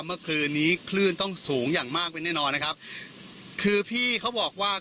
เมื่อคืนนี้คลื่นต้องสูงอย่างมากเป็นแน่นอนนะครับคือพี่เขาบอกว่า